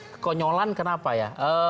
kekonyolan kenapa ya